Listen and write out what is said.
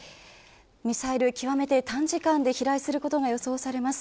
ミサイル、極めて短時間で飛来することが予想されます。